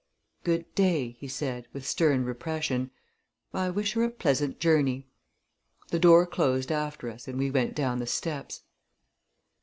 "Good day," he said, with stern repression. "I wish her a pleasant journey." The door closed after us, and we went down the steps.